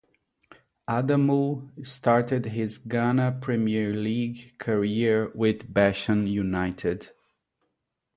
Adamu started his Ghana Premier League career with Bechem United.